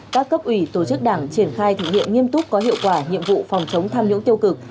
các cấp ủy tổ chức đảng triển khai thực hiện nghiêm túc có hiệu quả nhiệm vụ phòng chống tham nhũng tiêu cực